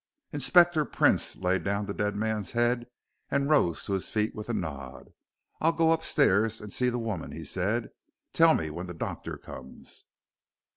Inspector Prince laid down the dead man's head and rose to his feet with a nod. "I'll go upstairs and see the woman," he said; "tell me when the doctor comes."